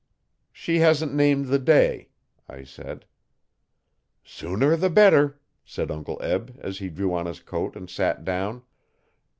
'She hasn't named the day,' I said. 'Sooner the better,' said Uncle Eb as he drew on his coat and sat down.